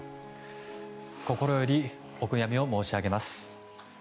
心よりお悔やみを申し上げます。